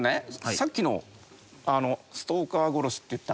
さっきの「ストーカー殺し」って言ったかな？